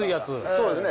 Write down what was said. そうですね。